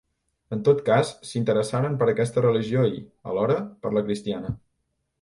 En tot cas, s'interessaren per aquesta religió i, alhora, per la cristiana.